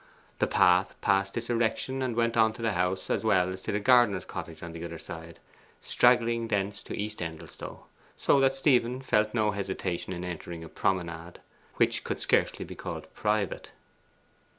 The path passed this erection and went on to the house as well as to the gardener's cottage on the other side, straggling thence to East Endelstow; so that Stephen felt no hesitation in entering a promenade which could scarcely be called private.